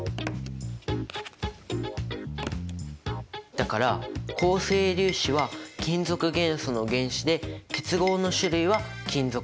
だから構成粒子は金属元素の「原子」で結合の種類は「金属結合」だよね？